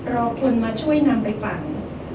รอคนมาช่วยนำไปฝัง